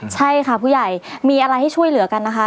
ใช่ค่ะผู้ใหญ่มีอะไรให้ช่วยเหลือกันนะคะ